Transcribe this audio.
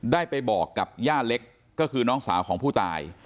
ได้ไปบอกกับย่าเล็กก็คือน้องสาวของผู้ตาย